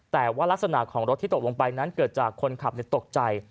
แต่ว่ารักษณะของรถที่ตกลงไปนั้นเกิดจากคนขับตกใจ